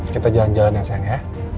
kita jalan jalannya sayang ya